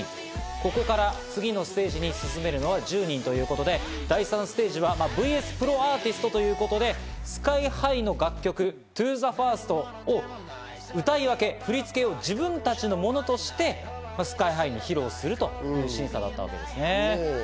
そこから次のステージに進めるのは１０人ということで、第３ステージはｖｓプロアーティストということでＳＫＹ−ＨＩの楽曲『ＴｏＴｈｅＦｉｒｓｔ』を歌い分け、振り付けを自分たちのものとしてＳＫＹ−ＨＩに披露するという審査だったんですね。